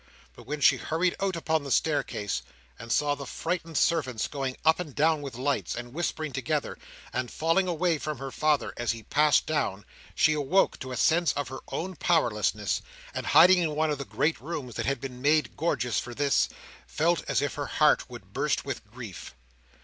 But when she hurried out upon the staircase, and saw the frightened servants going up and down with lights, and whispering together, and falling away from her father as he passed down, she awoke to a sense of her own powerlessness; and hiding in one of the great rooms that had been made gorgeous for this, felt as if her heart would burst with grief.